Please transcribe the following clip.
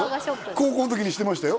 高校の時にしてましたよ